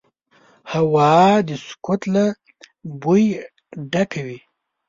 هوا د سکوت له بوی ډکه وي